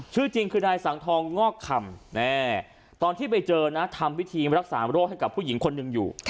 ชื่อจริงคือนายสังทองงอกคำตอนที่ไปเจอนะทำวิธีรักษาโรคให้กับผู้หญิงคนหนึ่งอยู่